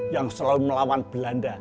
yang selalu melawan belanda